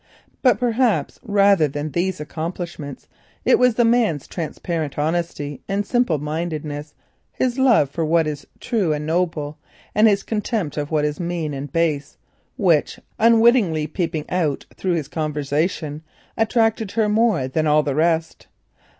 But perhaps rather than these accomplishments it was the man's transparent honesty and simple mindedness, his love for what is true and noble, and his contempt of what is mean and base, which, unwittingly peeping out through his conversation, attracted her more than all the rest.